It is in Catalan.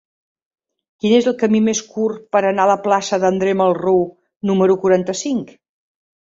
Quin és el camí més curt per anar a la plaça d'André Malraux número quaranta-cinc?